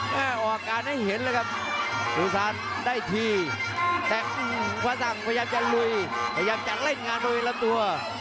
แต่พี่ฟ้าศักดิ์กำลังจะเลยอยากจะเร่งงานโดยละตัว